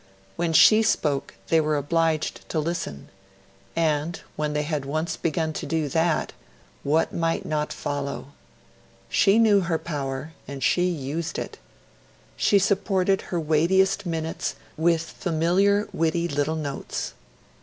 When she spoke, they were obliged to listen; and, when they had once begun to do that what might not follow? She knew her power, and she used it. She supported her weightiest minutes with familiar witty little notes.